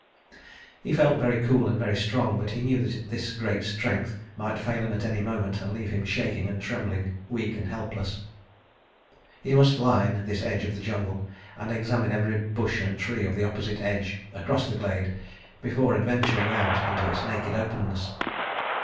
... He felt very cool and very strong, but knew that this great strength might fail him at any moment and leave him shaking and trembling, weak and helpless. ... He must line this edge of the jungle and examine every bush and tree of the opposite edge, across the glade, before adventuring out into its naked openness.